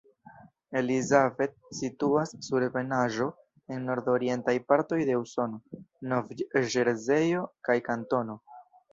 Elizabeth situas sur ebenaĵo en nordorientaj partoj de Usono, Nov-Ĵerzejo kaj kantono.